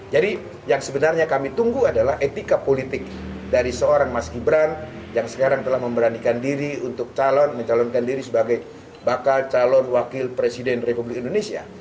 jadi yang sebenarnya kami tunggu adalah etika politik dari seorang mas gibran yang sekarang telah memberanikan diri untuk calon mencalonkan diri sebagai bakal calon wakil presiden republik indonesia